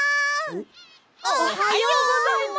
おはよう！おはようございます！